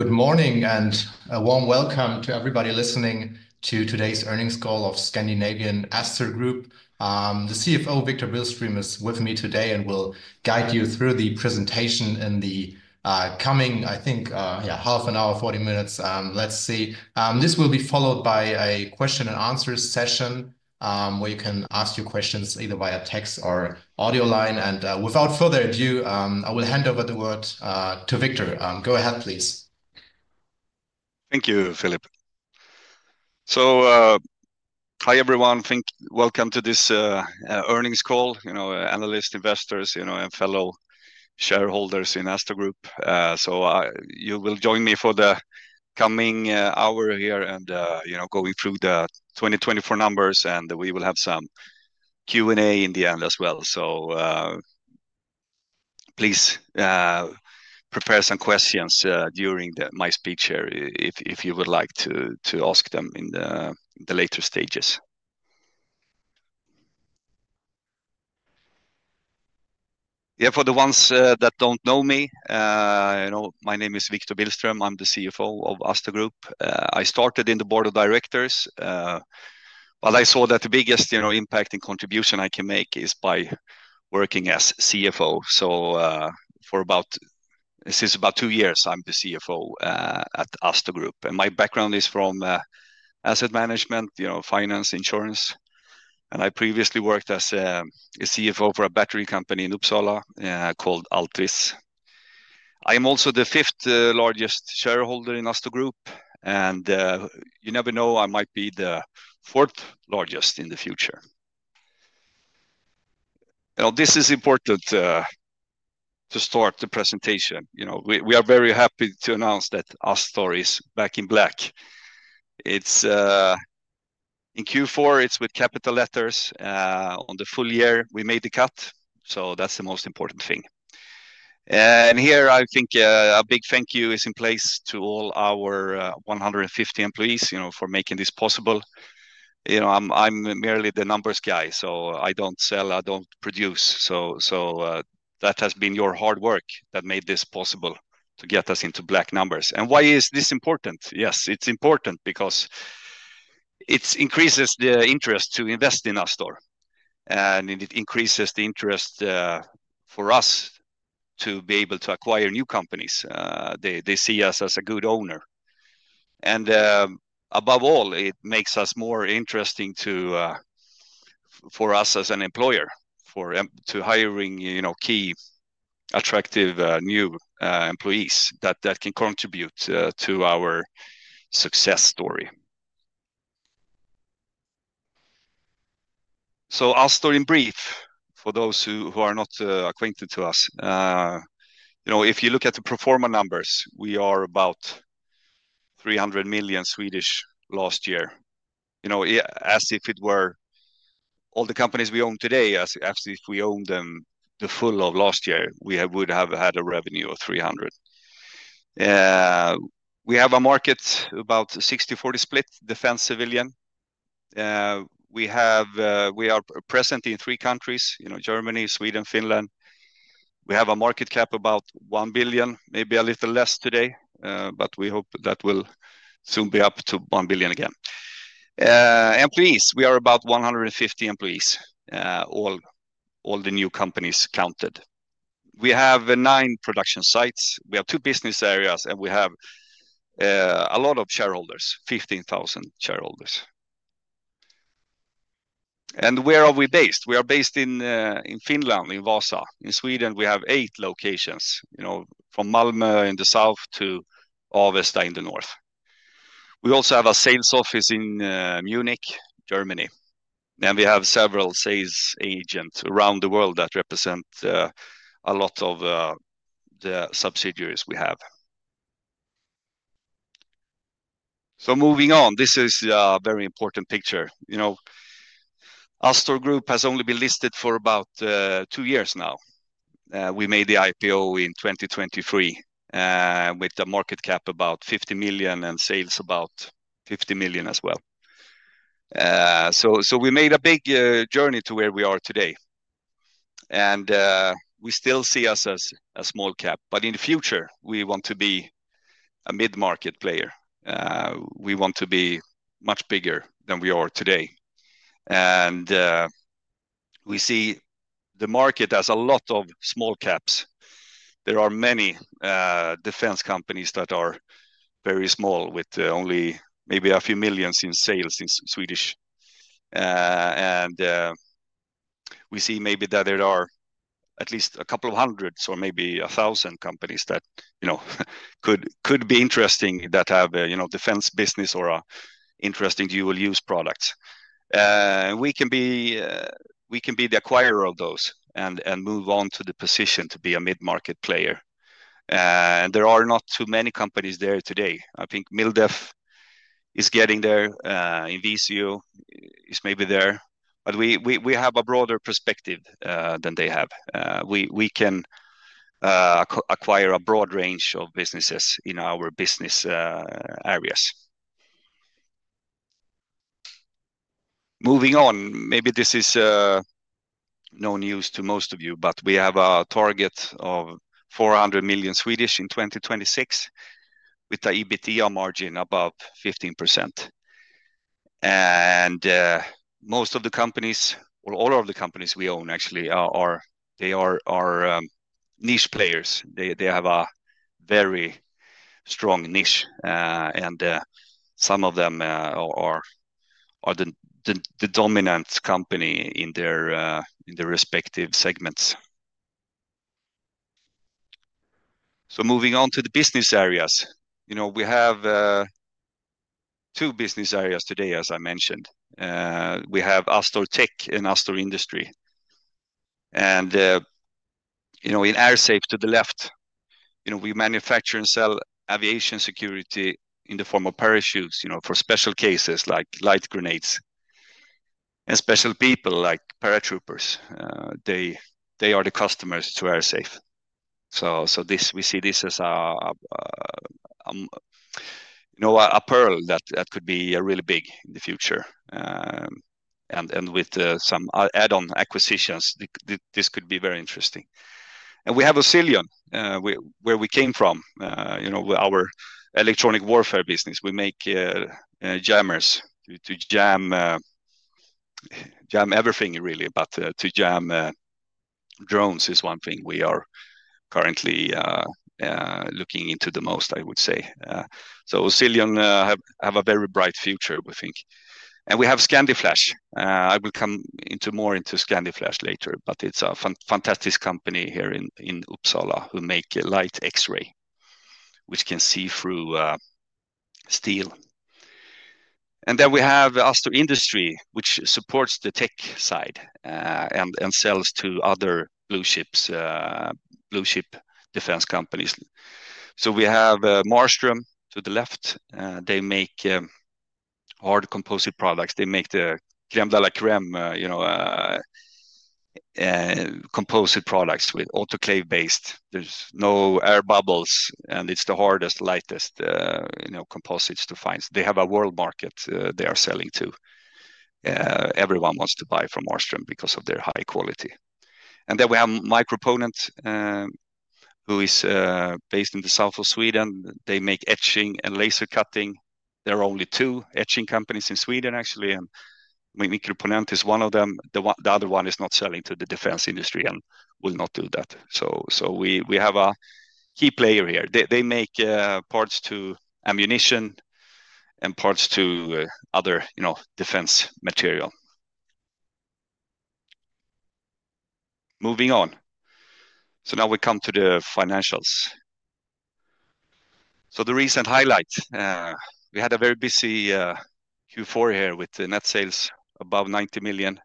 Good morning and a warm welcome to everybody listening to today's earnings call of Scandinavian Astor Group. The CFO, Viktor Billström, is with me today and will guide you through the presentation in the coming, I think, yeah, half an hour, 40 minutes. Let's see. This will be followed by a question and answer session where you can ask your questions either via text or audio line. Without further ado, I will hand over the word to Viktor. Go ahead, please. Thank you, Philippe. Hi everyone. Welcome to this earnings call. You know, analysts, investors, you know, and fellow shareholders in Astor Group. You will join me for the coming hour here and, you know, going through the 2024 numbers, and we will have some Q&A in the end as well. Please prepare some questions during my speech here if you would like to ask them in the later stages. Yeah, for the ones that don't know me, you know, my name is Viktor Billström. I'm the CFO of Astor Group. I started in the board of directors, but I saw that the biggest, you know, impact and contribution I can make is by working as CFO. For about, since about two years, I'm the CFO at Astor Group. My background is from asset management, you know, finance, insurance. I previously worked as a CFO for a battery company in Uppsala called Altris. I am also the fifth largest shareholder in Astor Group, and you never know, I might be the fourth largest in the future. This is important to start the presentation. You know, we are very happy to announce that Astor is back in black. It's in Q4, it's with capital letters. On the full year, we made the cut. That's the most important thing. Here, I think a big thank you is in place to all our 150 employees, you know, for making this possible. You know, I'm merely the numbers guy, so I don't sell, I don't produce. That has been your hard work that made this possible to get us into black numbers. Why is this important? Yes, it's important because it increases the interest to invest in Astor, and it increases the interest for us to be able to acquire new companies. They see us as a good owner. Above all, it makes us more interesting for us as an employer for hiring, you know, key attractive new employees that can contribute to our success story. Astor in brief, for those who are not acquainted to us, you know, if you look at the pro forma numbers, we are about 300 million last year. You know, as if it were all the companies we own today, as if we owned them the full of last year, we would have had a revenue of 300 million. We have a market about 60-40 split, defense civilian. We are present in three countries, you know, Germany, Sweden, Finland. We have a market cap about 1 billion, maybe a little less today, but we hope that will soon be up to 1 billion again. Employees, we are about 150 employees, all the new companies counted. We have nine production sites. We have two business areas, and we have a lot of shareholders, 15,000 shareholders. Where are we based? We are based in Finland, in Vaasa. In Sweden, we have eight locations, you know, from Malmö in the south to Avesta in the north. We also have a sales office in Munich, Germany. We have several sales agents around the world that represent a lot of the subsidiaries we have. Moving on, this is a very important picture. You know, Astor Group has only been listed for about two years now. We made the IPO in 2023 with a market cap about 50 million and sales about 50 million as well. We made a big journey to where we are today. We still see us as a small cap, but in the future, we want to be a mid-market player. We want to be much bigger than we are today. We see the market as a lot of small caps. There are many defense companies that are very small with only maybe a few millions in sales in Swedish. We see maybe that there are at least a couple of hundreds or maybe a thousand companies that, you know, could be interesting that have a, you know, defense business or an interesting dual-use product. We can be the acquirer of those and move on to the position to be a mid-market player. There are not too many companies there today. I think MilDef is getting there. Invisio is maybe there, but we have a broader perspective than they have. We can acquire a broad range of businesses in our business areas. Moving on, maybe this is no news to most of you, but we have a target of 400 million in 2026 with an EBITDA margin above 15%. Most of the companies, or all of the companies we own actually, they are niche players. They have a very strong niche, and some of them are the dominant company in their respective segments. Moving on to the business areas, you know, we have two business areas today, as I mentioned. We have Astor Tech and Astor Industry. You know, in AirSafe to the left, you know, we manufacture and sell aviation security in the form of parachutes, you know, for special cases like light grenades. Special people like paratroopers, they are the customers to AirSafe. We see this as a, you know, a pearl that could be really big in the future. With some add-on acquisitions, this could be very interesting. We have Oscilion, where we came from, you know, our electronic warfare business. We make jammers to jam everything, really, but to jam drones is one thing we are currently looking into the most, I would say. Oscilion have a very bright future, we think. We have ScandiFlash. I will come into more into ScandiFlash later, but it's a fantastic company here in Uppsala who make a light X-ray, which can see through steel. We have Astor Industry, which supports the tech side and sells to other blue chip defense companies. We have Marstrom to the left. They make hard composite products. They make the crème de la crème, you know, composite products with autoclave based. There are no air bubbles, and it is the hardest, lightest, you know, composites to find. They have a world market they are selling to. Everyone wants to buy from Marstrom because of their high quality. We have Mikroponent, who is based in the south of Sweden. They make etching and laser cutting. There are only two etching companies in Sweden, actually, and Mikroponent is one of them. The other one is not selling to the defense industry and will not do that. We have a key player here. They make parts to ammunition and parts to other, you know, defense material. Moving on. Now we come to the financials. The recent highlight, we had a very busy Q4 here with net sales above 90 million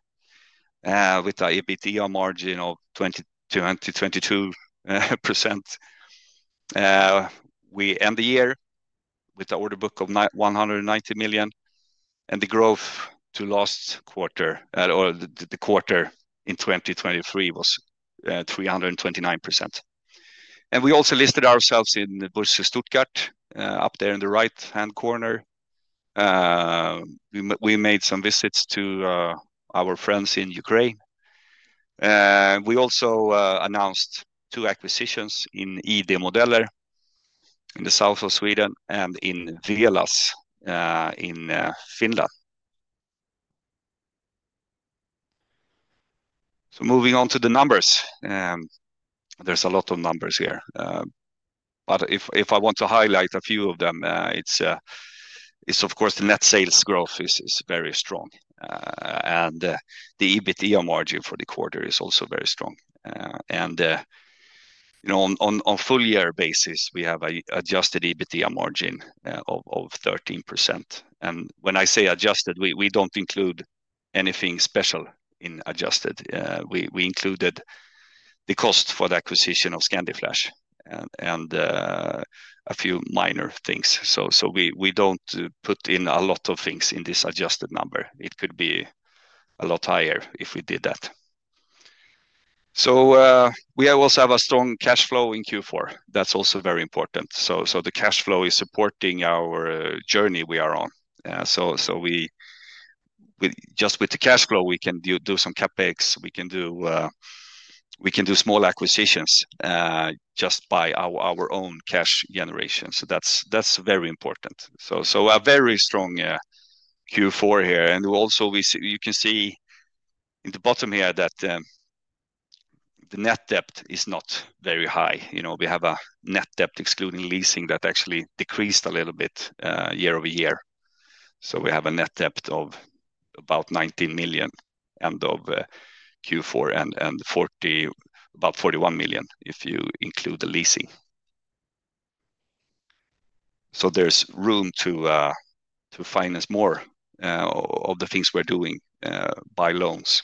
with an EBITDA margin of 20-22%. We end the year with an order book of 190 million, and the growth to last quarter, or the quarter in 2023, was 329%. We also listed ourselves in the Börse Stuttgart, up there in the right-hand corner. We made some visits to our friends in Ukraine. We also announced two acquisitions in ID Modeller in the south of Sweden and in Velas in Finland. Moving on to the numbers, there's a lot of numbers here. If I want to highlight a few of them, it's, of course, the net sales growth is very strong. The EBITDA margin for the quarter is also very strong. You know, on a full year basis, we have an adjusted EBITDA margin of 13%. When I say adjusted, we do not include anything special in adjusted. We included the cost for the acquisition of ScandiFlash and a few minor things. We do not put in a lot of things in this adjusted number. It could be a lot higher if we did that. We also have a strong cash flow in Q4. That is also very important. The cash flow is supporting our journey we are on. Just with the cash flow, we can do some CapEx. We can do small acquisitions just by our own cash generation. That is very important. A very strong Q4 here. You can see in the bottom here that the net debt is not very high. You know, we have a net debt excluding leasing that actually decreased a little bit year over year. We have a net debt of about 19 million end of Q4 and about 41 million if you include the leasing. There is room to finance more of the things we are doing by loans.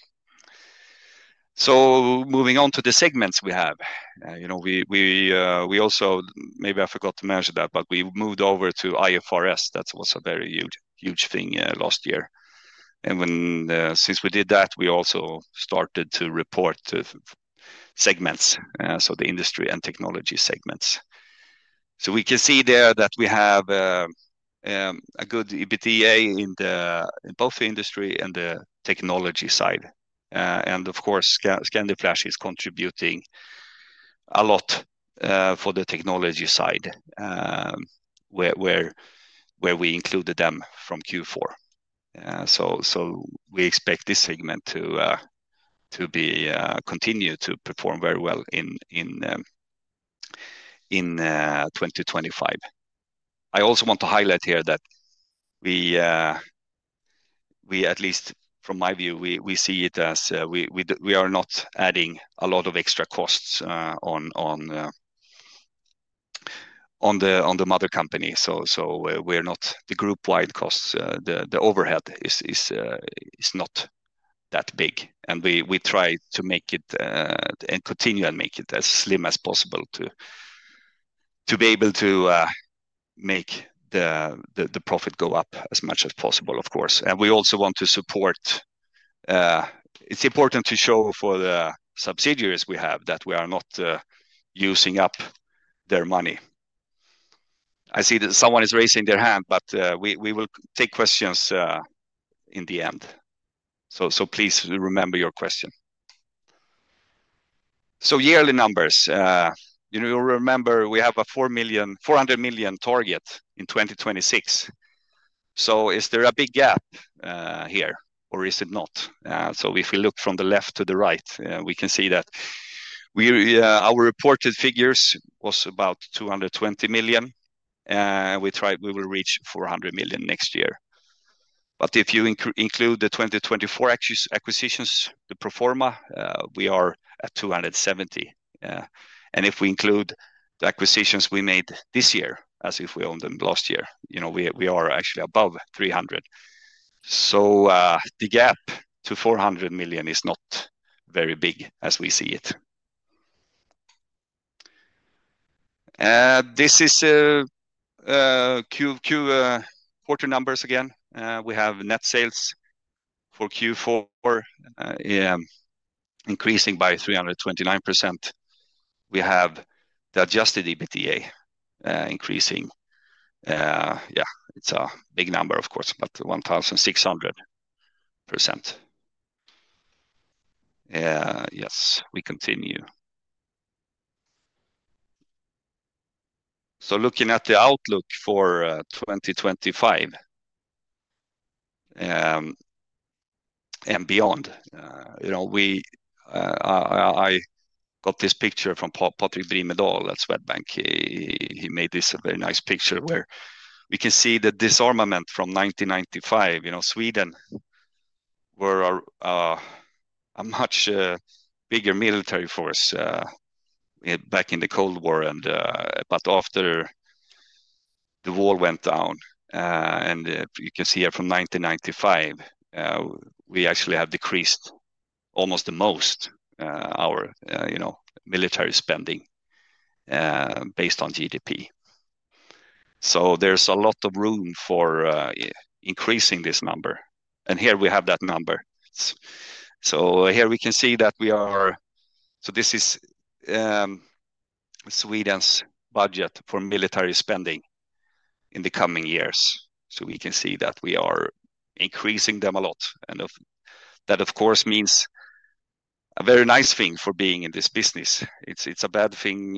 Moving on to the segments we have, you know, we also, maybe I forgot to mention that, but we moved over to IFRS. That was a very huge thing last year. Since we did that, we also started to report segments, so the industry and technology segments. We can see there that we have a good EBITDA in both the industry and the technology side. Of course, ScandiFlash is contributing a lot for the technology side where we included them from Q4. We expect this segment to continue to perform very well in 2025. I also want to highlight here that we, at least from my view, we see it as we are not adding a lot of extra costs on the mother company. We are not the group-wide costs. The overhead is not that big. We try to make it and continue and make it as slim as possible to be able to make the profit go up as much as possible, of course. We also want to support. It is important to show for the subsidiaries we have that we are not using up their money. I see that someone is raising their hand, but we will take questions in the end. Please remember your question. Yearly numbers, you know, you will remember we have a 400 million target in 2026. Is there a big gap here or is it not? If we look from the left to the right, we can see that our reported figures was about 220 million. We will reach 400 million next year. If you include the 2024 acquisitions, the proforma, we are at 270 million. If we include the acquisitions we made this year, as if we owned them last year, you know, we are actually above 300 million. The gap to 400 million is not very big as we see it. This is Q4 numbers again. We have net sales for Q4 increasing by 329%. We have the adjusted EBITDA increasing. Yeah, it's a big number, of course, but 1,600%. Yes, we continue. Looking at the outlook for 2025 and beyond, you know, I got this picture from Patrik Brimedahl at Swedbank. He made this a very nice picture where we can see that disarmament from 1995, you know, Sweden were a much bigger military force back in the Cold War. After the wall went down, and you can see here from 1995, we actually have decreased almost the most our, you know, military spending based on GDP. There is a lot of room for increasing this number. Here we have that number. Here we can see that we are, this is Sweden's budget for military spending in the coming years. We can see that we are increasing them a lot. That, of course, means a very nice thing for being in this business. It is a bad thing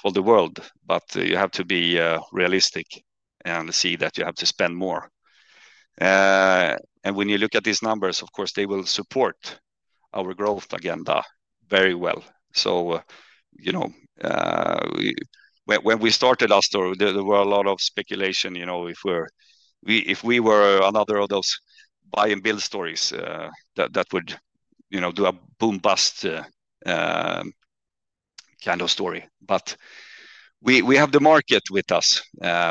for the world, but you have to be realistic and see that you have to spend more. When you look at these numbers, of course, they will support our growth agenda very well. You know, when we started Astor, there were a lot of speculation, you know, if we were another of those buy and build stories that would, you know, do a boom-bust kind of story. We have the market with us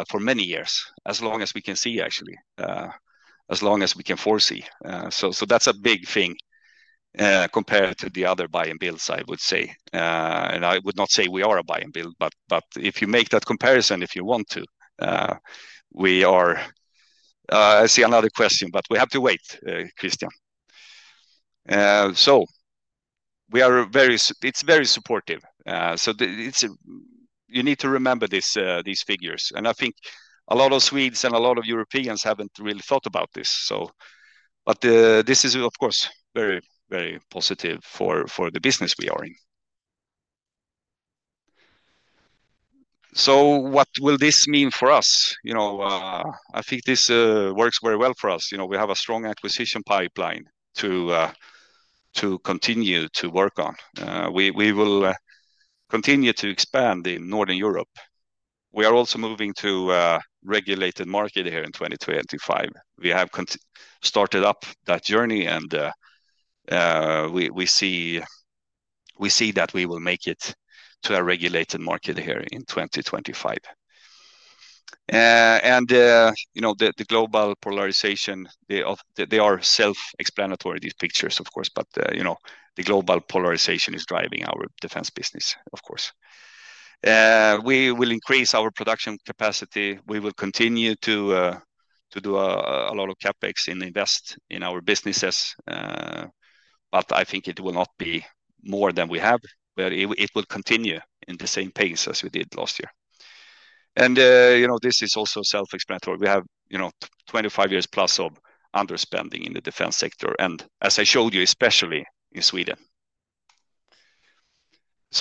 for many years, as long as we can see, actually, as long as we can foresee. That is a big thing compared to the other buy and builds, I would say. I would not say we are a buy and build, but if you make that comparison, if you want to, we are. I see another question, but we have to wait, Christian. We are very, it is very supportive. You need to remember these figures. I think a lot of Swedes and a lot of Europeans haven't really thought about this. This is, of course, very, very positive for the business we are in. What will this mean for us? You know, I think this works very well for us. You know, we have a strong acquisition pipeline to continue to work on. We will continue to expand in Northern Europe. We are also moving to a regulated market here in 2025. We have started up that journey, and we see that we will make it to a regulated market here in 2025. You know, the global polarization, they are self-explanatory, these pictures, of course, but, you know, the global polarization is driving our defense business, of course. We will increase our production capacity. We will continue to do a lot of CapEx and invest in our businesses. I think it will not be more than we have, but it will continue in the same pace as we did last year. You know, this is also self-explanatory. We have, you know, 25 years plus of underspending in the defense sector, and as I showed you, especially in Sweden.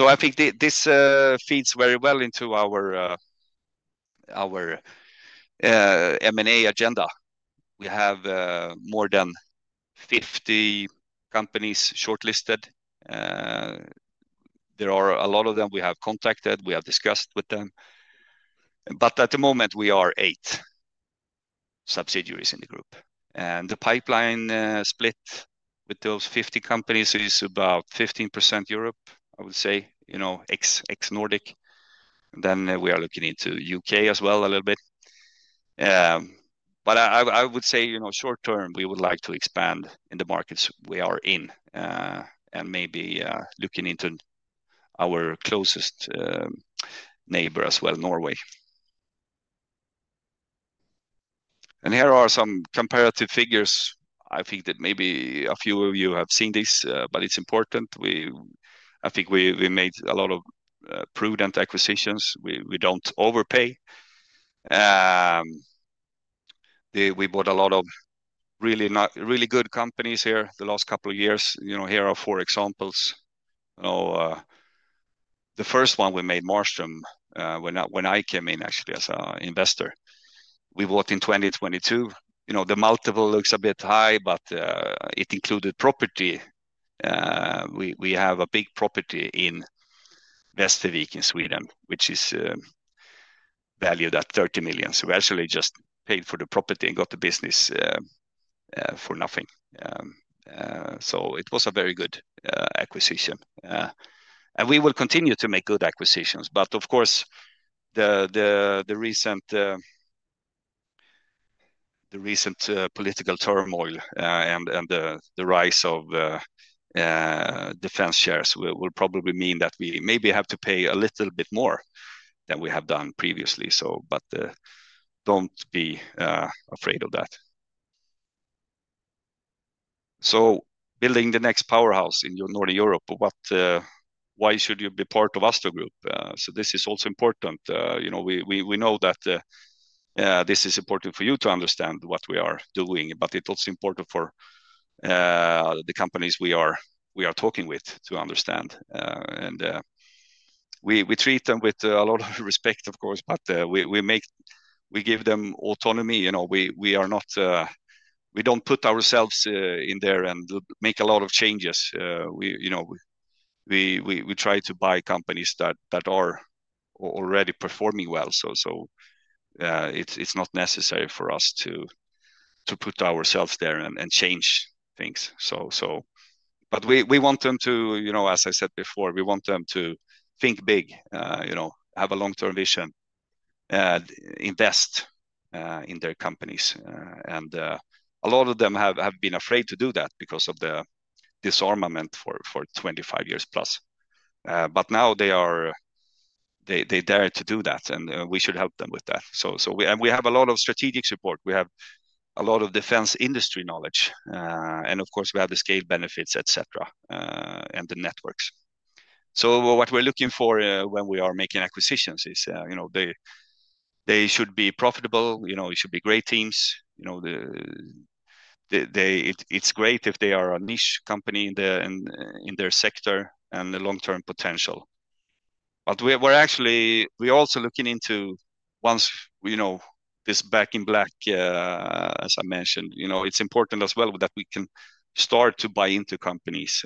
I think this feeds very well into our M&A agenda. We have more than 50 companies shortlisted. There are a lot of them we have contacted. We have discussed with them. At the moment, we are eight subsidiaries in the group. The pipeline split with those 50 companies is about 15% Europe, I would say, you know, ex-Nordic. We are looking into the U.K. as well a little bit. I would say, you know, short term, we would like to expand in the markets we are in and maybe looking into our closest neighbor as well, Norway. Here are some comparative figures. I think that maybe a few of you have seen this, but it's important. I think we made a lot of prudent acquisitions. We don't overpay. We bought a lot of really good companies here the last couple of years. You know, here are four examples. The first one we made, Marstrom, when I came in, actually, as an investor. We bought in 2022. You know, the multiple looks a bit high, but it included property. We have a big property in Västervik in Sweden, which is valued at 30 million. We actually just paid for the property and got the business for nothing. It was a very good acquisition. We will continue to make good acquisitions. Of course, the recent political turmoil and the rise of defense shares will probably mean that we maybe have to pay a little bit more than we have done previously. Do not be afraid of that. Building the next powerhouse in Northern Europe, why should you be part of Astor Group? This is also important. You know, we know that this is important for you to understand what we are doing, but it is also important for the companies we are talking with to understand. We treat them with a lot of respect, of course, but we give them autonomy. You know, we do not put ourselves in there and make a lot of changes. You know, we try to buy companies that are already performing well. It is not necessary for us to put ourselves there and change things. We want them to, you know, as I said before, we want them to think big, you know, have a long-term vision, invest in their companies. A lot of them have been afraid to do that because of the disarmament for 25 years plus. Now they dare to do that, and we should help them with that. We have a lot of strategic support. We have a lot of defense industry knowledge. Of course, we have the scale benefits, et cetera, and the networks. What we are looking for when we are making acquisitions is, you know, they should be profitable. You know, it should be great teams. You know, it is great if they are a niche company in their sector and the long-term potential. We're actually, we're also looking into once, you know, this black and black, as I mentioned, you know, it's important as well that we can start to buy into companies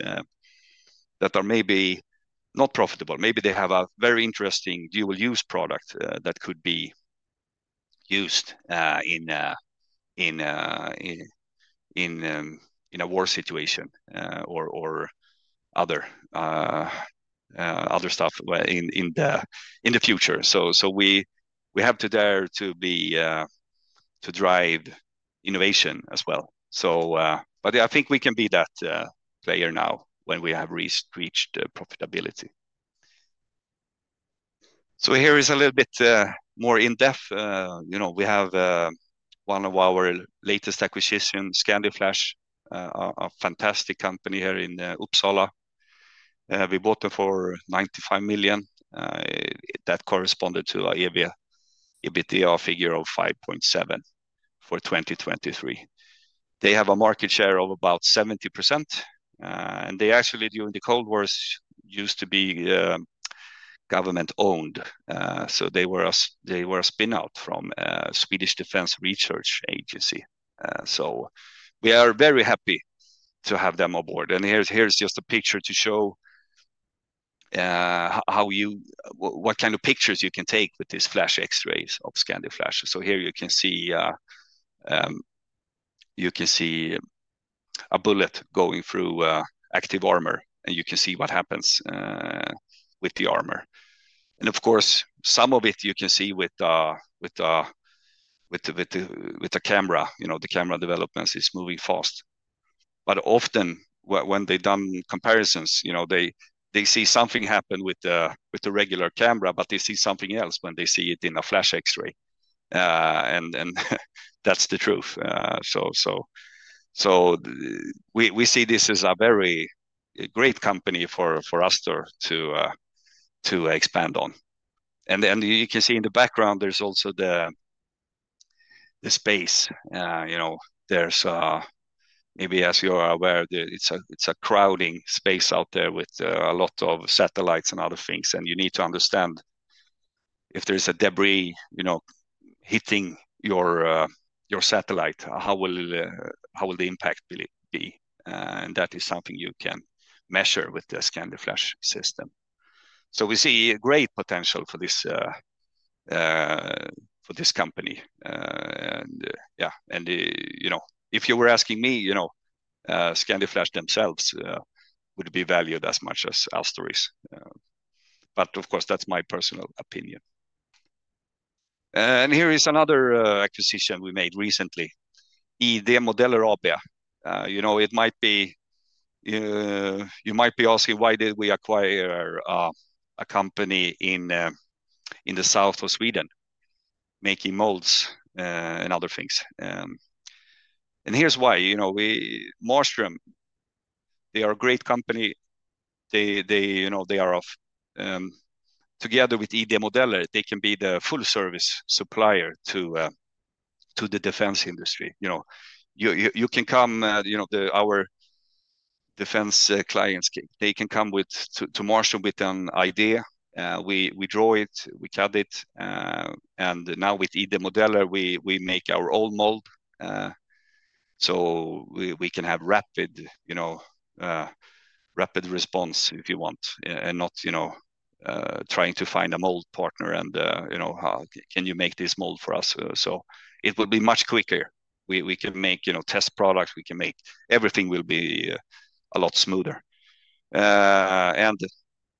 that are maybe not profitable. Maybe they have a very interesting dual-use product that could be used in a war situation or other stuff in the future. We have to dare to drive innovation as well. I think we can be that player now when we have reached profitability. Here is a little bit more in-depth. You know, we have one of our latest acquisitions, ScandiFlash, a fantastic company here in Uppsala. We bought them for 95 million. That corresponded to an EBITDA figure of 5.7 million for 2023. They have a market share of about 70%. They actually, during the Cold War, used to be government-owned. They were a spinout from a Swedish Defense Research Agency. We are very happy to have them on board. Here is just a picture to show what kind of pictures you can take with these flash X-rays of ScandiFlash. Here you can see a bullet going through active armor, and you can see what happens with the armor. Of course, some of it you can see with a camera. You know, the camera developments is moving fast. Often, when they've done comparisons, you know, they see something happen with the regular camera, but they see something else when they see it in a flash X-ray. That is the truth. We see this as a very great company for Astor to expand on. You can see in the background, there is also the space. You know, there's maybe, as you're aware, it's a crowding space out there with a lot of satellites and other things. You need to understand if there's a debris, you know, hitting your satellite, how will the impact be? That is something you can measure with the ScandiFlash system. We see great potential for this company. Yeah, and you know, if you were asking me, you know, ScandiFlash themselves would be valued as much as Astor is. Of course, that's my personal opinion. Here is another acquisition we made recently, ID Modeller AB. You know, it might be, you might be asking why did we acquire a company in the south of Sweden making molds and other things. Here's why, you know, Marstrom, they are a great company. They, you know, they are together with ID Modeller, they can be the full-service supplier to the defense industry. You know, you can come, you know, our defense clients, they can come to Marstrom with an idea. We draw it, we cut it, and now with ID Modeller, we make our own mold. We can have rapid, you know, rapid response if you want and not, you know, trying to find a mold partner and, you know, can you make this mold for us? It will be much quicker. We can make, you know, test products. We can make everything will be a lot smoother.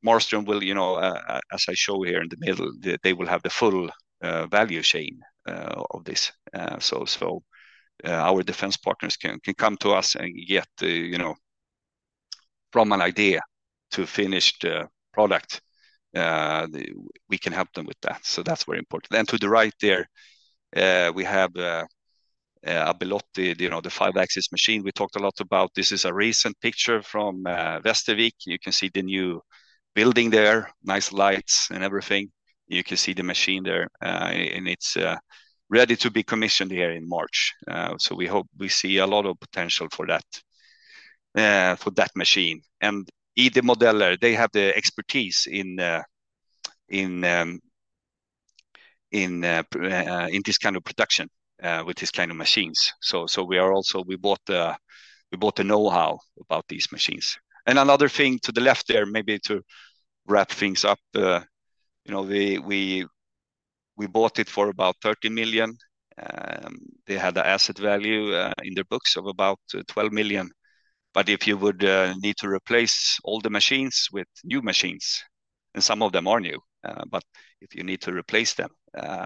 Marstrom will, you know, as I show here in the middle, they will have the full value chain of this. Our defense partners can come to us and get, you know, from an idea to finished product. We can help them with that. That is very important. To the right there, we have a Bellotti, you know, the five-axis machine we talked a lot about. This is a recent picture from Västervik. You can see the new building there, nice lights and everything. You can see the machine there, and it is ready to be commissioned here in March. We hope we see a lot of potential for that machine. ID Modeller, they have the expertise in this kind of production with this kind of machines. We are also, we bought the know-how about these machines. Another thing to the left there, maybe to wrap things up, you know, we bought it for about 30 million. They had an asset value in their books of about 12 million. If you would need to replace all the machines with new machines, and some of them are new, but if you need to replace them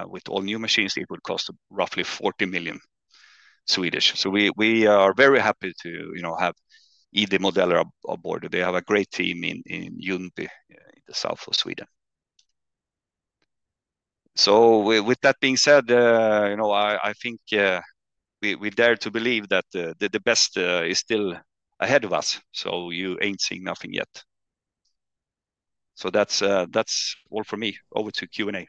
with all new machines, it would cost roughly 40 million. We are very happy to, you know, have ID Modeller on board. They have a great team in Ljungby in the south of Sweden. With that being said, you know, I think we dare to believe that the best is still ahead of us. You ain't seen nothing yet. That's all for me. Over to Q&A.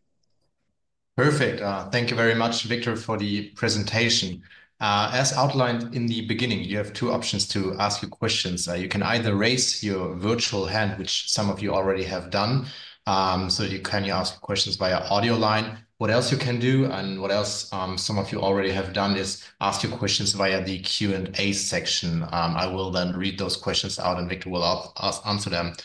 Perfect. Thank you very much, Viktor, for the presentation. As outlined in the beginning, you have two options to ask your questions. You can either raise your virtual hand, which some of you already have done, so you can ask questions via audio line. What else you can do, and what else some of you already have done is ask your questions via the Q&A section. I will then read those questions out, and Viktor will answer them.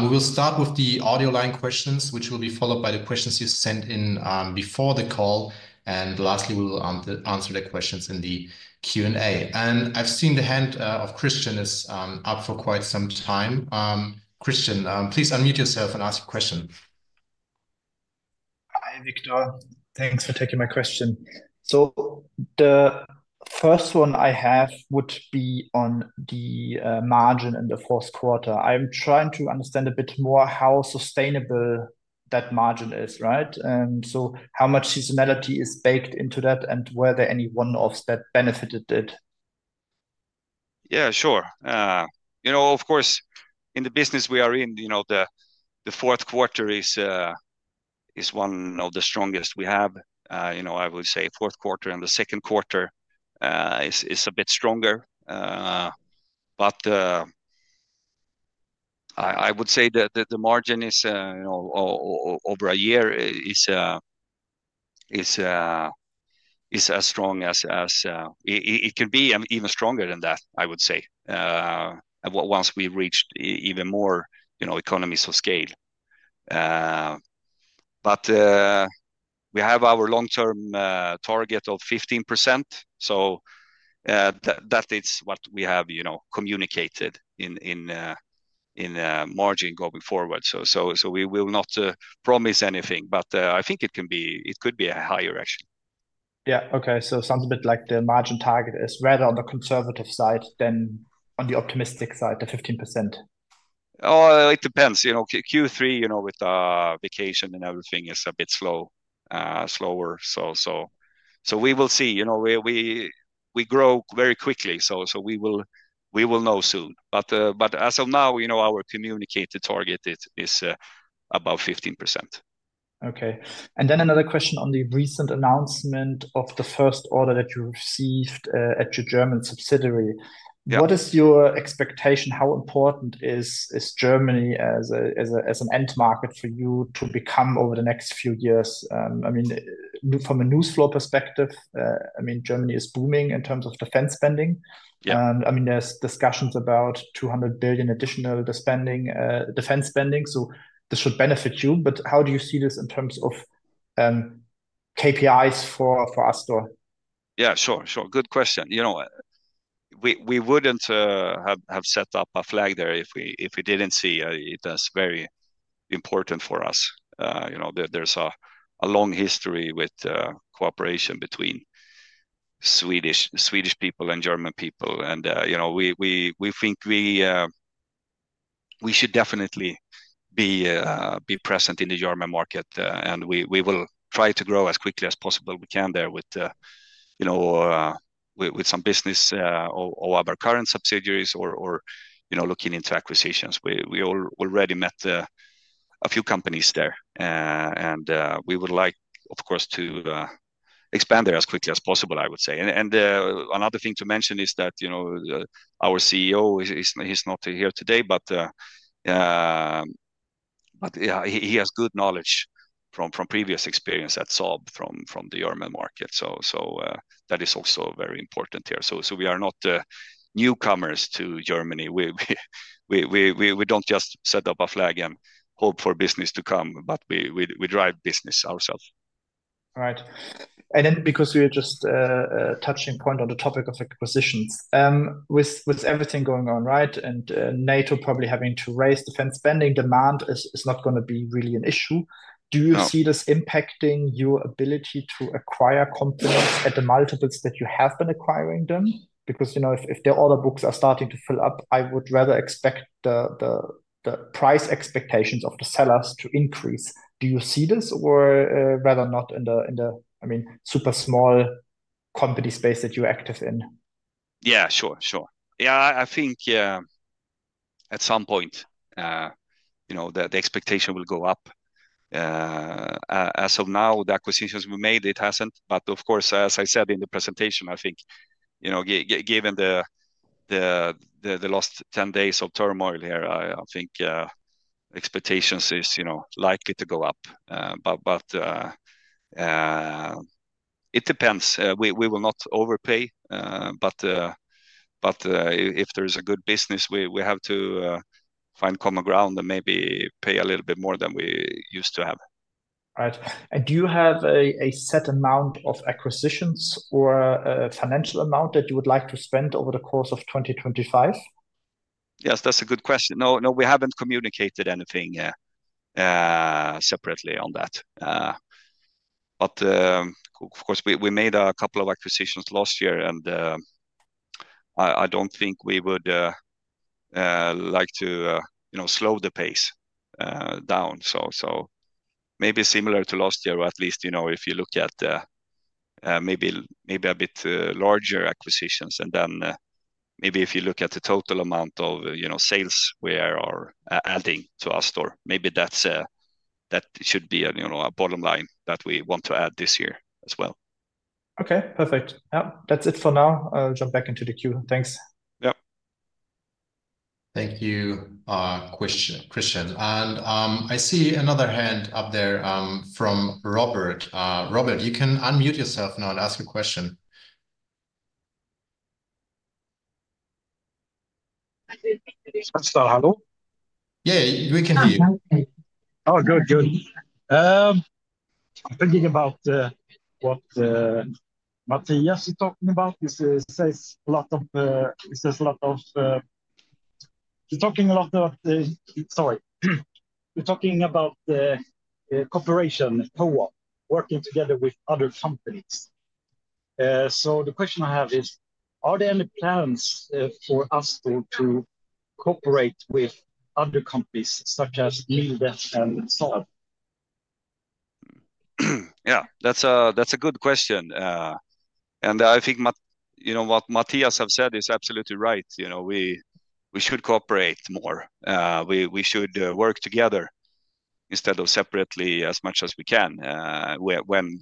We will start with the audio line questions, which will be followed by the questions you sent in before the call. Lastly, we will answer the questions in the Q&A. I have seen the hand of Christian is up for quite some time. Christian, please unmute yourself and ask your question. Hi, Viktor. Thanks for taking my question. The first one I have would be on the margin in the fourth quarter. I am trying to understand a bit more how sustainable that margin is, right? How much seasonality is baked into that, and were there any one-offs that benefited it? Yeah, sure. You know, of course, in the business we are in, you know, the fourth quarter is one of the strongest we have. You know, I would say fourth quarter and the second quarter is a bit stronger. I would say that the margin is over a year is as strong as it can be, even stronger than that, I would say, once we reached even more, you know, economies of scale. We have our long-term target of 15%. That is what we have, you know, communicated in margin going forward. We will not promise anything, but I think it could be higher, actually. Yeah, okay. It sounds a bit like the margin target is rather on the conservative side than on the optimistic side, the 15%. Oh, it depends. You know, Q3, you know, with the vacation and everything is a bit slower. We will see. You know, we grow very quickly. We will know soon. As of now, you know, our communicated target is about 15%. Okay. Another question on the recent announcement of the first order that you received at your German subsidiary. What is your expectation? How important is Germany as an end market for you to become over the next few years? I mean, from a news floor perspective, I mean, Germany is booming in terms of defense spending. I mean, there are discussions about 200 billion additional defense spending. This should benefit you. How do you see this in terms of KPIs for Astor? Yeah, sure, sure. Good question. You know, we would not have set up a flag there if we did not see it as very important for us. You know, there's a long history with cooperation between Swedish people and German people. You know, we think we should definitely be present in the German market. We will try to grow as quickly as possible we can there with, you know, with some business or other current subsidiaries or, you know, looking into acquisitions. We already met a few companies there. We would like, of course, to expand there as quickly as possible, I would say. Another thing to mention is that, you know, our CEO, he's not here today, but he has good knowledge from previous experience at Saab from the German market. That is also very important here. We are not newcomers to Germany. We don't just set up a flag and hope for business to come, but we drive business ourselves. Right. Because we were just touching point on the topic of acquisitions, with everything going on, right, and NATO probably having to raise defense spending, demand is not going to be really an issue. Do you see this impacting your ability to acquire companies at the multiples that you have been acquiring them? Because, you know, if their order books are starting to fill up, I would rather expect the price expectations of the sellers to increase. Do you see this or rather not in the, I mean, super small company space that you're active in? Yeah, sure, sure. Yeah, I think at some point, you know, the expectation will go up. As of now, the acquisitions we made, it hasn't. Of course, as I said in the presentation, I think, you know, given the last 10 days of turmoil here, I think expectations is, you know, likely to go up. It depends. We will not overpay. If there's a good business, we have to find common ground and maybe pay a little bit more than we used to have. Right. Do you have a set amount of acquisitions or a financial amount that you would like to spend over the course of 2025? Yes, that's a good question. No, we haven't communicated anything separately on that. Of course, we made a couple of acquisitions last year, and I don't think we would like to, you know, slow the pace down. Maybe similar to last year, or at least, you know, if you look at maybe a bit larger acquisitions. If you look at the total amount of, you know, sales we are adding to Astor, maybe that should be a, you know, a bottom line that we want to add this year as well. Okay, perfect. Yeah, that's it for now. I'll jump back into the queue. Thanks. Yeah. Thank you, Christian. I see another hand up there from Robert. Robert, you can unmute yourself now and ask a question. Hello? Yeah, we can hear you. Oh, good, good. I'm thinking about what Mattias is talking about. He says a lot of, he says a lot of, he's talking a lot of, sorry, he's talking about cooperation, co-op, working together with other companies. The question I have is, are there any plans for Astor to cooperate with other companies such as MilDef and Saab? Yeah, that's a good question. I think, you know, what Mattias has said is absolutely right. You know, we should cooperate more. We should work together instead of separately as much as we can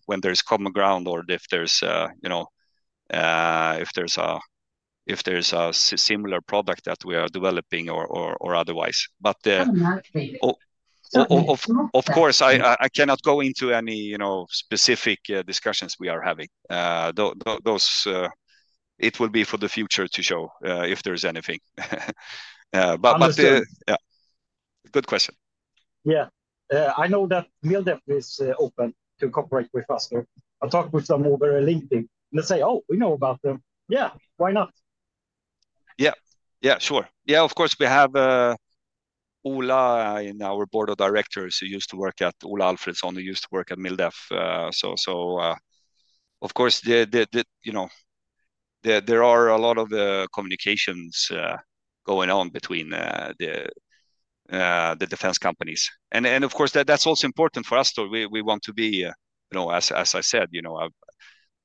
when there's common ground or if there's, you know, if there's a similar product that we are developing or otherwise. Of course, I cannot go into any, you know, specific discussions we are having. It will be for the future to show if there's anything. Yeah, good question. I know that MilDef is open to cooperate with Astor. I talked with them over LinkedIn. They say, "Oh, we know about them." Yeah, why not? Yeah, yeah, sure. Of course, we have Ola in our board of directors who used to work at MilDef, Ola Alfredsson, who used to work at MilDef. Of course, you know, there are a lot of communications going on between the defense companies. Of course, that is also important for Astor. We want to be, you know, as I said, you know,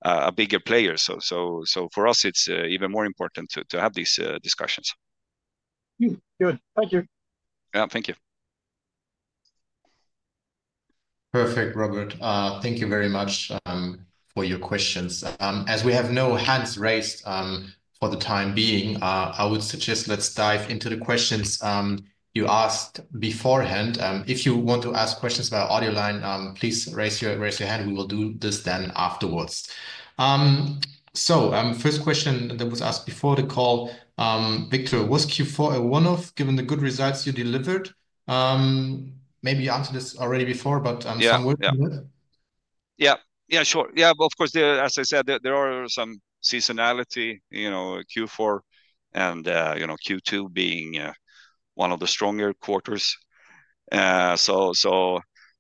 a bigger player. For us, it is even more important to have these discussions. Good. Thank you. Yeah, thank you. Perfect, Robert. Thank you very much for your questions. As we have no hands raised for the time being, I would suggest let's dive into the questions you asked beforehand. If you want to ask questions about audio line, please raise your hand. We will do this then afterwards. The first question that was asked before the call, Viktor, was Q4 a one-off given the good results you delivered? Maybe you answered this already before, but some work to do it. Yeah, yeah, sure. Yeah, of course, as I said, there are some seasonality, you know, Q4 and, you know, Q2 being one of the stronger quarters.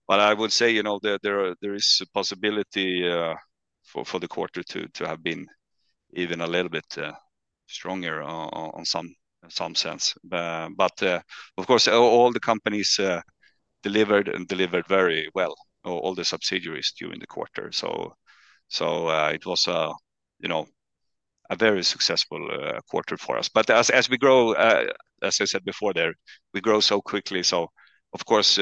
What I would say, you know, there is a possibility for the quarter to have been even a little bit stronger in some sense. Of course, all the companies delivered and delivered very well, all the subsidiaries during the quarter. It was, you know, a very successful quarter for us. As we grow, as I said before there, we grow so quickly. Of course,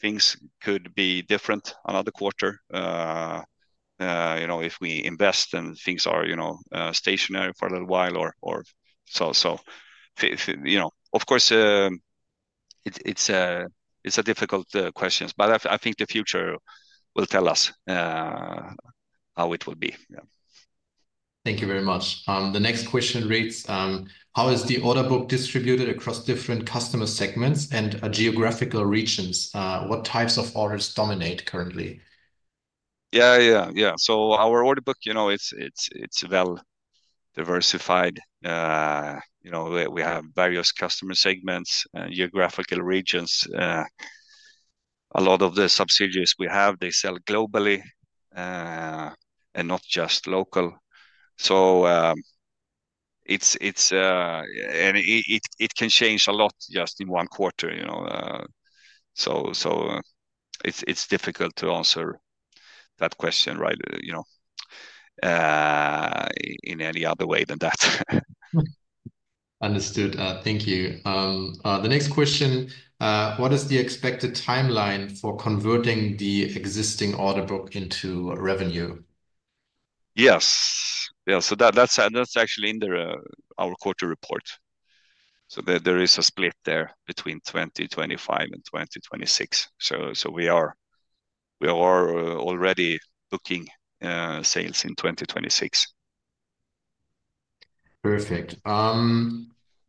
things could be different another quarter, you know, if we invest and things are, you know, stationary for a little while or so. You know, of course, it's a difficult question, but I think the future will tell us how it will be. Thank you very much. The next question reads, how is the order book distributed across different customer segments and geographical regions? What types of orders dominate currently? Yeah, yeah, yeah. So our order book, you know, it's well diversified. You know, we have various customer segments and geographical regions. A lot of the subsidiaries we have, they sell globally and not just local. It can change a lot just in one quarter, you know. It's difficult to answer that question, right, you know, in any other way than that. Understood. Thank you. The next question, what is the expected timeline for converting the existing order book into revenue? Yes. Yeah. That's actually in our quarter report. There is a split there between 2025 and 2026. We are already booking sales in 2026. Perfect.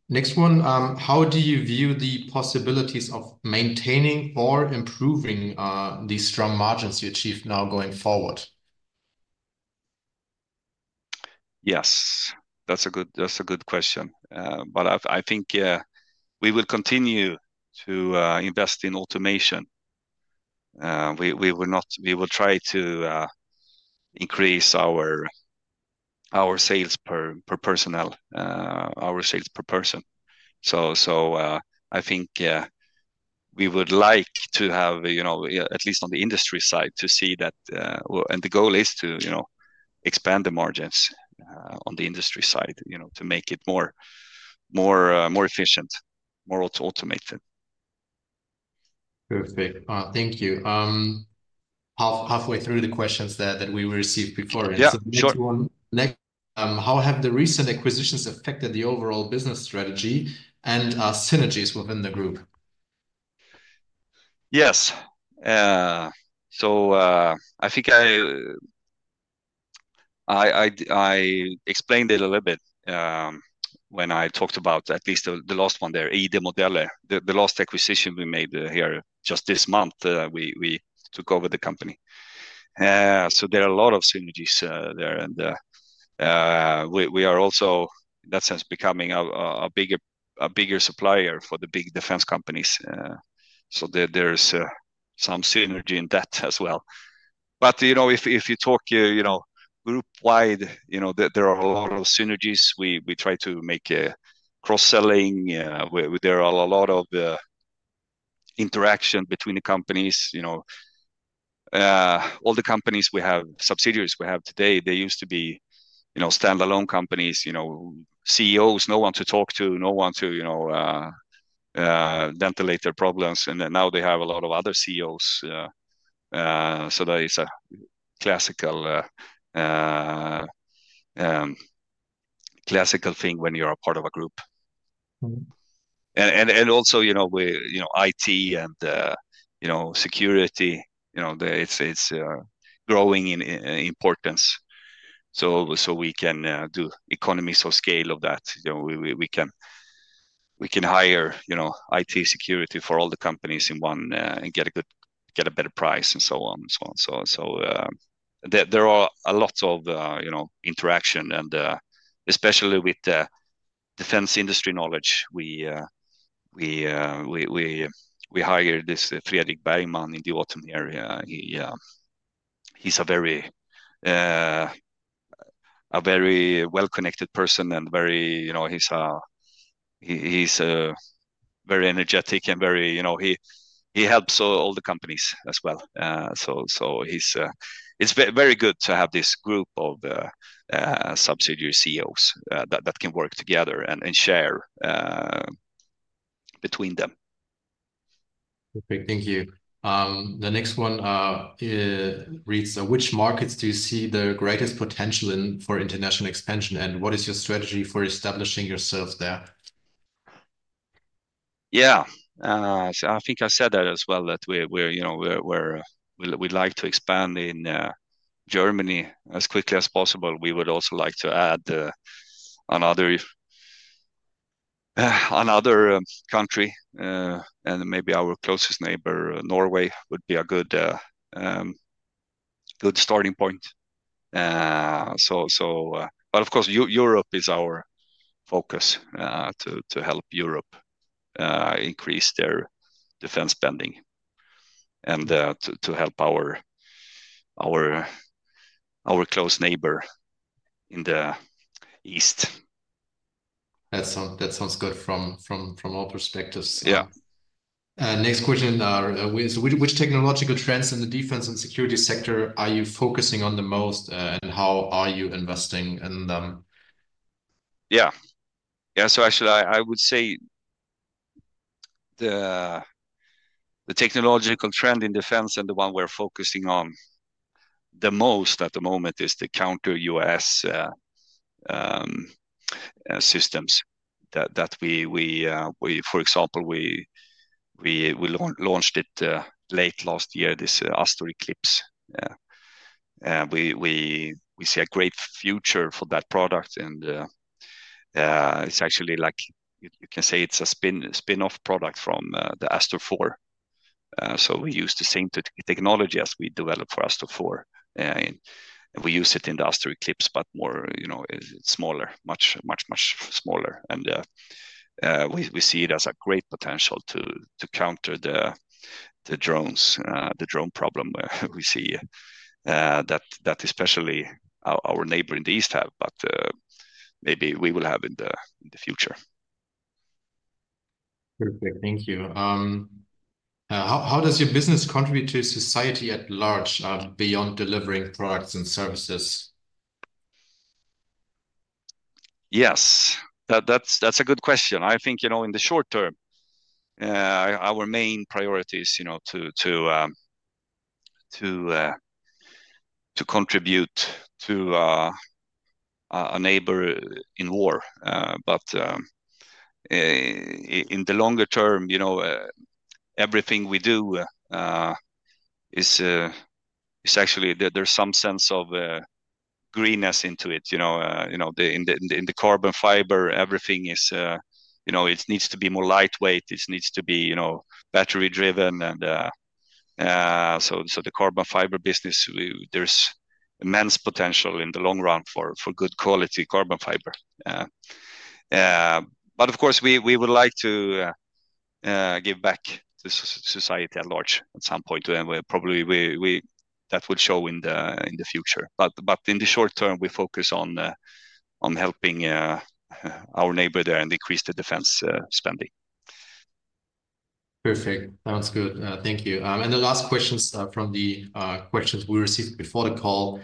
Next one, how do you view the possibilities of maintaining or improving the strong margins you achieve now going forward? Yes. That's a good question. I think we will continue to invest in automation. We will try to increase our sales per personnel, our sales per person. I think we would like to have, you know, at least on the industry side to see that. The goal is to, you know, expand the margins on the industry side, you know, to make it more efficient, more automated. Perfect. Thank you. Halfway through the questions that we received before. Next, how have the recent acquisitions affected the overall business strategy and synergies within the group? Yes. I think I explained it a little bit when I talked about at least the last one there, ID Modeller. The last acquisition we made here just this month, we took over the company. There are a lot of synergies there. We are also, in that sense, becoming a bigger supplier for the big defense companies. There is some synergy in that as well. You know, if you talk, you know, group-wide, you know, there are a lot of synergies. We try to make cross-selling. There are a lot of interactions between the companies. You know, all the companies we have, subsidiaries we have today, they used to be, you know, stand-alone companies, you know, CEOs, no one to talk to, no one to, you know, ventilate their problems. Now they have a lot of other CEOs. That is a classical thing when you are a part of a group. Also, you know, IT and, you know, security, you know, it is growing in importance. We can do economies of scale of that. You know, we can hire, you know, IT security for all the companies in one and get a better price and so on and so on. There are lots of, you know, interaction and especially with defense industry knowledge. We hired this Frederik Bergman in the autumn area. He's a very well-connected person and very, you know, he's very energetic and very, you know, he helps all the companies as well. It is very good to have this group of subsidiary CEOs that can work together and share between them. Perfect. Thank you. The next one reads, which markets do you see the greatest potential in for international expansion and what is your strategy for establishing yourself there? Yeah. I think I said that as well, that we're, you know, we'd like to expand in Germany as quickly as possible. We would also like to add another country and maybe our closest neighbor, Norway, would be a good starting point. Of course, Europe is our focus to help Europe increase their defense spending and to help our close neighbor in the east. That sounds good from all perspectives. Yeah. Next question are, which technological trends in the defense and security sector are you focusing on the most and how are you investing in them? Yeah. Yeah. Actually, I would say the technological trend in defense and the one we're focusing on the most at the moment is the counter-UAS systems that we, for example, we launched it late last year, this Astor Eclipse. We see a great future for that product. It's actually like, you can say it's a spin-off product from the Astor 4. We use the same technology as we developed for Astor 4, and we use it in the Astor Eclipse, but more, you know, smaller, much, much smaller. We see it as a great potential to counter the drones, the drone problem we see that especially our neighbor in the east have, but maybe we will have in the future. Perfect. Thank you. How does your business contribute to society at large beyond delivering products and services? Yes. That's a good question. I think, you know, in the short term, our main priority is, you know, to contribute to a neighbor in war. In the longer term, you know, everything we do is actually, there's some sense of greenness into it, you know, you know, in the carbon fiber, everything is, you know, it needs to be more lightweight. It needs to be, you know, battery-driven. The carbon fiber business, there's immense potential in the long run for good quality carbon fiber. Of course, we would like to give back to society at large at some point. Probably that will show in the future. In the short term, we focus on helping our neighbor there and decrease the defense spending. Perfect. Sounds good. Thank you. The last questions from the questions we received before the call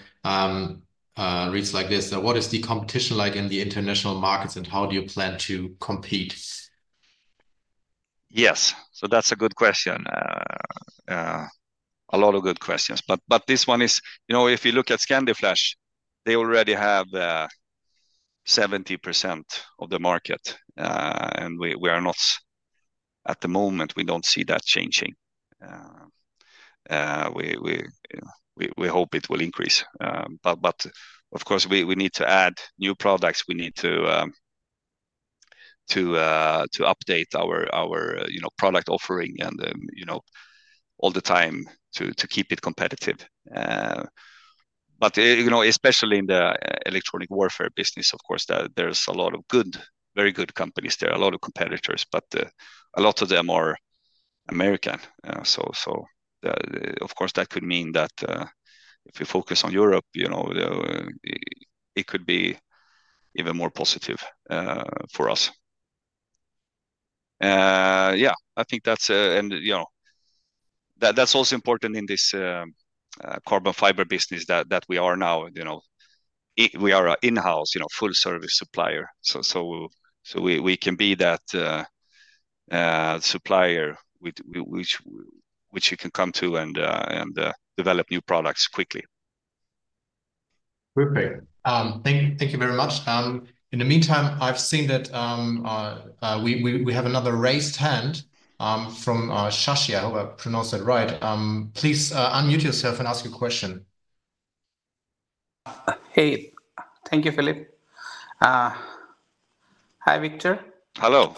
reads like this. What is the competition like in the international markets and how do you plan to compete? Yes. That's a good question. A lot of good questions. This one is, you know, if you look at ScandiFlash, they already have 70% of the market. We are not at the moment, we don't see that changing. We hope it will increase. Of course, we need to add new products. We need to update our product offering and, you know, all the time to keep it competitive. You know, especially in the electronic warfare business, of course, there's a lot of good, very good companies there, a lot of competitors, but a lot of them are American. Of course, that could mean that if we focus on Europe, you know, it could be even more positive for us. I think that's, and, you know, that's also important in this carbon fiber business that we are now, you know, we are an in-house, you know, full-service supplier. We can be that supplier which you can come to and develop new products quickly. Perfect. Thank you very much. In the meantime, I've seen that we have another raised hand from Shashi. I hope I pronounced it right. Please unmute yourself and ask your question. Hey. Thank you, Philippe. Hi, Viktor. Hello.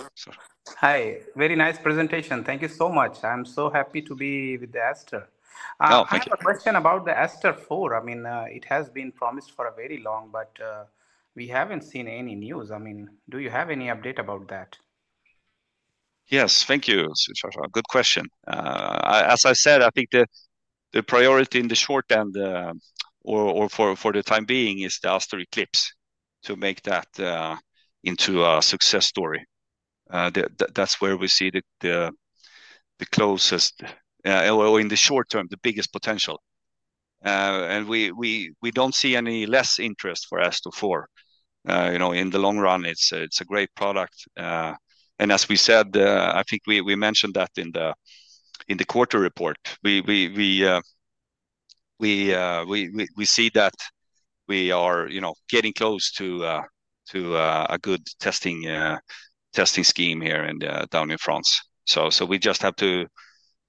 Hi. Very nice presentation. Thank you so much. I'm so happy to be with Astor. I have a question about the Astor 4. I mean, it has been promised for a very long time, but we haven't seen any news. I mean, do you have any update about that? Yes. Thank you, Shashi. Good question. As I said, I think the priority in the short term or for the time being is the Astor Eclipse to make that into a success story. That's where we see the closest, or in the short term, the biggest potential. We do not see any less interest for Astor 4. You know, in the long run, it is a great product. As we said, I think we mentioned that in the quarter report. We see that we are, you know, getting close to a good testing scheme here and down in France. We just have to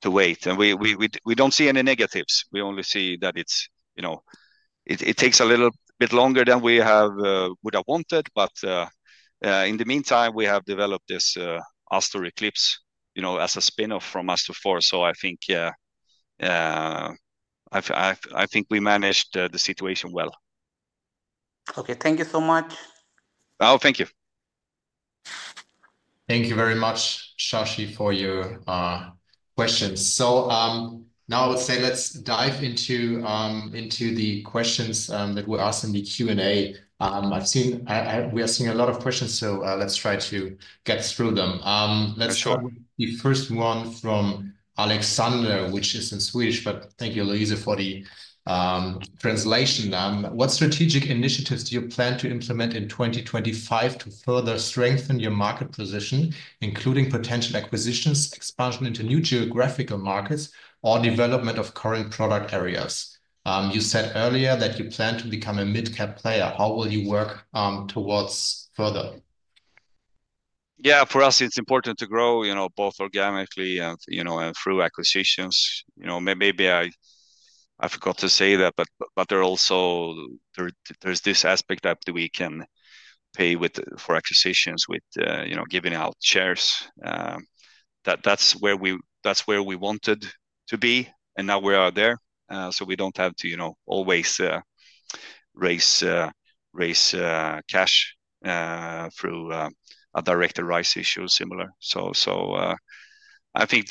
wait. We do not see any negatives. We only see that it is, you know, it takes a little bit longer than we have wanted. In the meantime, we have developed this Astor Eclipse, you know, as a spin-off from Astor 4. I think we managed the situation well. Okay. Thank you so much. Oh, thank you. Thank you very much, Shashi, for your questions. I would say let's dive into the questions that were asked in the Q&A. We are seeing a lot of questions, so let's try to get through them. Let's start with the first one from Alexander, which is in Swedish, but thank you, Louisa, for the translation. What strategic initiatives do you plan to implement in 2025 to further strengthen your market position, including potential acquisitions, expansion into new geographical markets, or development of current product areas? You said earlier that you plan to become a mid-cap player. How will you work towards further? Yeah, for us, it's important to grow, you know, both organically and, you know, through acquisitions. You know, maybe I forgot to say that, but there's also this aspect that we can pay for acquisitions with, you know, giving out shares. That's where we wanted to be. Now we are there. We do not have to, you know, always raise cash through a direct rights issue, similar. I think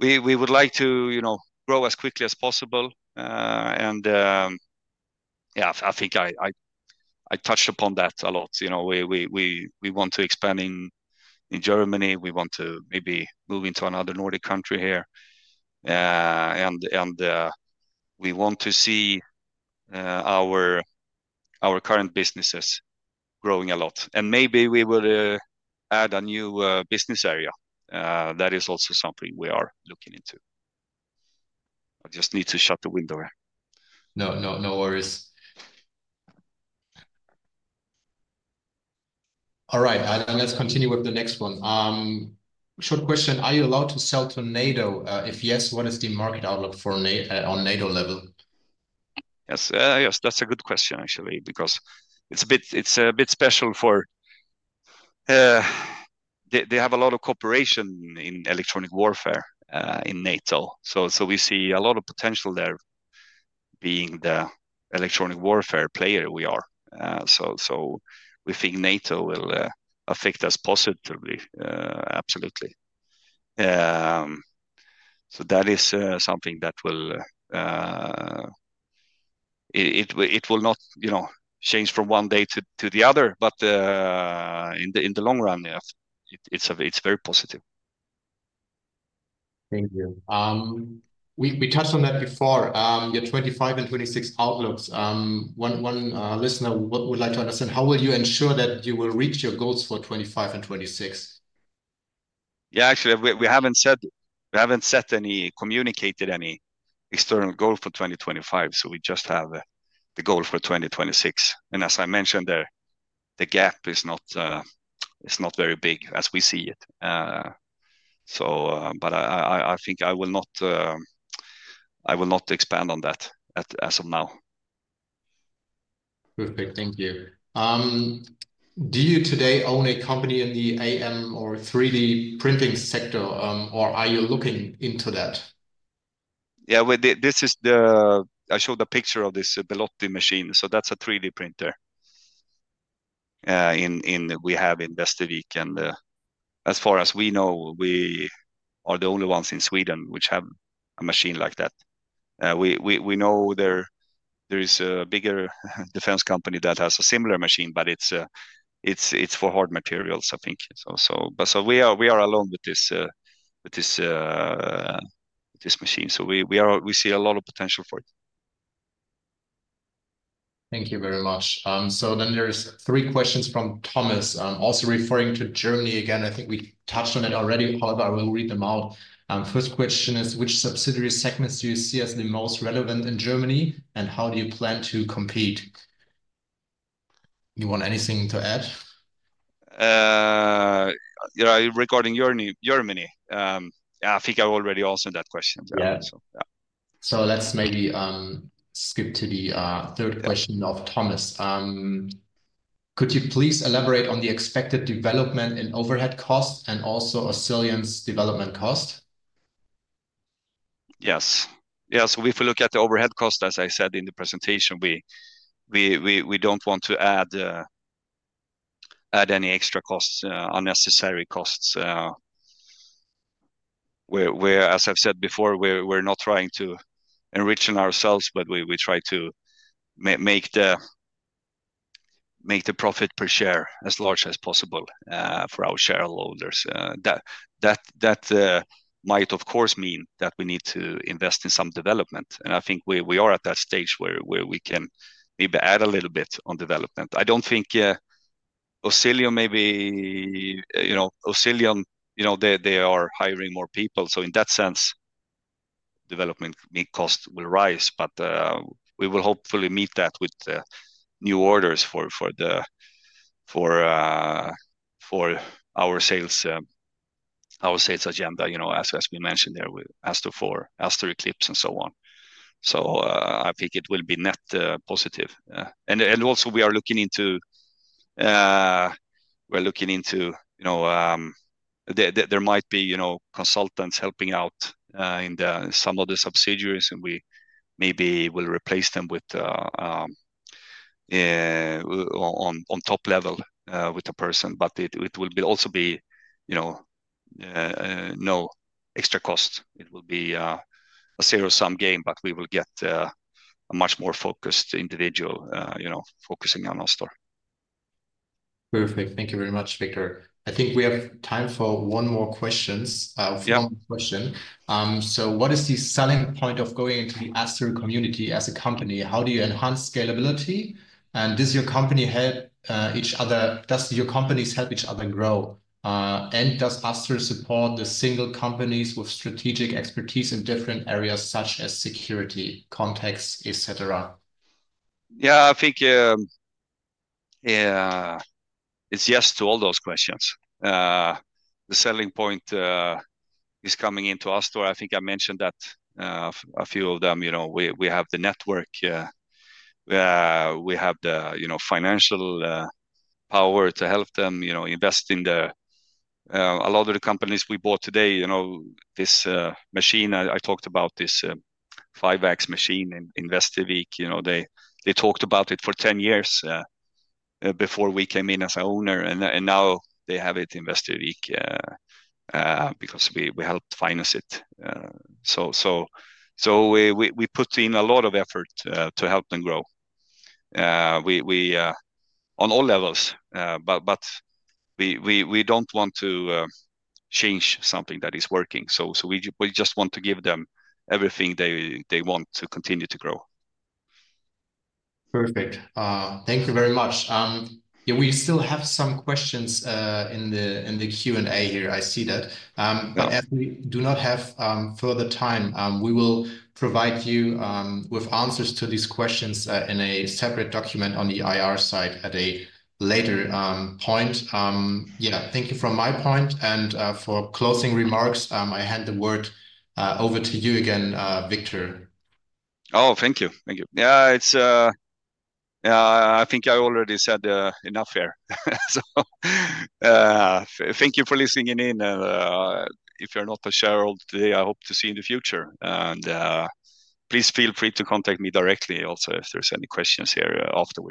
we would like to, you know, grow as quickly as possible. Yeah, I think I touched upon that a lot. You know, we want to expand in Germany. We want to maybe move into another Nordic country here. We want to see our current businesses growing a lot. Maybe we will add a new business area. That is also something we are looking into. I just need to shut the window. No, no worries. All right. Let's continue with the next one. Short question. Are you allowed to sell to NATO? If yes, what is the market outlook on NATO level? Yes, that's a good question, actually, because it's a bit special for they have a lot of cooperation in electronic warfare in NATO. We see a lot of potential there being the electronic warfare player we are. We think NATO will affect us positively. Absolutely. That is something that will, it will not, you know, change from one day to the other, but in the long run, it's very positive. Thank you. We touched on that before, your 2025 and 2026 outlooks. One listener would like to understand how will you ensure that you will reach your goals for 2025 and 2026? Yeah, actually, we haven't communicated any external goal for 2025. We just have the goal for 2026. As I mentioned there, the gap is not very big as we see it. I think I will not expand on that as of now. Perfect. Thank you. Do you today own a company in the AM or 3D printing sector, or are you looking into that? Yeah, this is the, I showed a picture of this Belotti machine. That's a 3D printer we have in Västervik. As far as we know, we are the only ones in Sweden which have a machine like that. We know there is a bigger defense company that has a similar machine, but it's for hard materials, I think. We are alone with this machine. We see a lot of potential for it. Thank you very much. There are three questions from Thomas, also referring to Germany again. I think we touched on it already, however I will read them out. First question is, which subsidiary segments do you see as the most relevant in Germany and how do you plan to compete? You want anything to add? Regarding Germany, I think I already answered that question. Let's maybe skip to the third question of Thomas. Could you please elaborate on the expected development and overhead cost and also resilience development cost? Yes. Yeah. If we look at the overhead cost, as I said in the presentation, we do not want to add any extra costs, unnecessary costs. As I have said before, we are not trying to enrich ourselves, but we try to make the profit per share as large as possible for our shareholders. That might, of course, mean that we need to invest in some development. I think we are at that stage where we can maybe add a little bit on development. I do not think Oscilion, maybe, you know, Oscilion, you know, they are hiring more people. In that sense, development cost will rise, but we will hopefully meet that with new orders for our sales agenda, you know, as we mentioned there, Astor 4, Astor Eclipse, and so on. I think it will be net positive. Also, we are looking into, you know, there might be, you know, consultants helping out in some of the subsidiaries, and we maybe will replace them on top level with a person, but it will also be, you know, no extra cost. It will be a zero-sum game, but we will get a much more focused individual, you know, focusing on Astor 4. Perfect. Thank you very much, Viktor. I think we have time for one more question. What is the selling point of going into the Astor community as a company? How do you enhance scalability? Does your company help each other, do your companies help each other grow? Does Astor support the single companies with strategic expertise in different areas such as security, context, etc.? Yeah, I think it's yes to all those questions. The selling point is coming into Astor 4. I think I mentioned that a few of them, you know, we have the network, we have the, you know, financial power to help them, you know, invest in a lot of the companies we bought today, you know, this machine, I talked about this 5X machine in Västervik. You know, they talked about it for 10 years before we came in as an owner, and now they have it in Västervik because we helped finance it. We put in a lot of effort to help them grow on all levels, but we don't want to change something that is working. We just want to give them everything they want to continue to grow. Perfect. Thank you very much. We still have some questions in the Q&A here. I see that. As we do not have further time, we will provide you with answers to these questions in a separate document on the IR side at a later point. Thank you from my point. For closing remarks, I hand the word over to you again, Viktor. Thank you. Thank you. I think I already said enough here. Thank you for listening in. If you're not a shareholder today, I hope to see you in the future. Please feel free to contact me directly also if there's any questions here after.